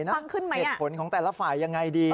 เหตุผลของแต่ละฝ่ายังไงดี